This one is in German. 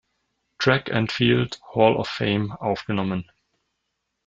Track and Field Hall of Fame" aufgenommen.